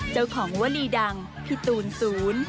เจ้าของวลีดังพี่ตูนศูนย์